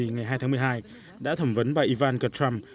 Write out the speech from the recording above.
ngày hai tháng một mươi hai đã thẩm vấn bà ivanka trump